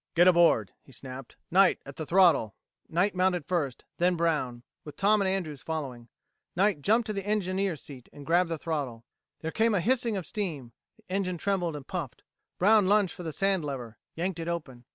"Get aboard!" he snapped. "Knight at the throttle." Knight mounted first; then Brown, with Tom and Andrews following. Knight jumped to the engineer's seat, and grabbed the throttle. There came the hissing of steam: the engine trembled and puffed. Brown lunged for the sand lever, yanked it open.